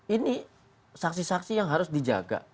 ini saksi saksi yang harus dijaga